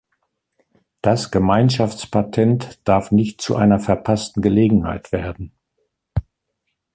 Das Gemeinschaftspatent darf nicht zu einer verpassten Gelegenheit werden.